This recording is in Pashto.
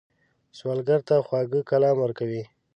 سوالګر ته خواږه کلام ورکوئ